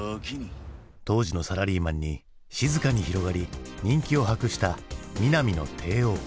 当時のサラリーマンに静かに広がり人気を博した「ミナミの帝王」。